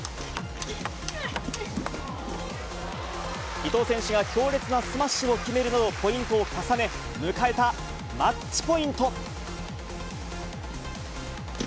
伊藤選手が強烈なスマッシュを決めるなど、ポイントを重ね、迎えたマッチポイント。